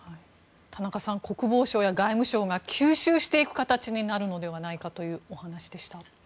田中さん国防省や外務省が吸収していく形になるのではないかというお話でした。